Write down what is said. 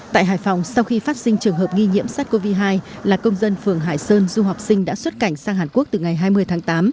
tại hải phòng sau khi phát sinh trường hợp nghi nhiễm sars cov hai là công dân phường hải sơn du học sinh đã xuất cảnh sang hàn quốc từ ngày hai mươi tháng tám